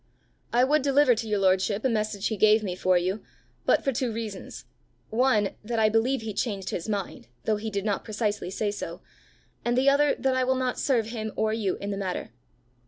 "I would deliver to your lordship a message he gave me for you but for two reasons one, that I believe he changed his mind though he did not precisely say so, and the other, that I will not serve him or you in the matter."